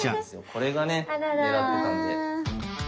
これがね狙ってたので。